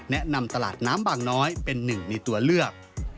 แนะนำตลาดน้ำบางน้อยเป็นหนึ่งในตัวเลือก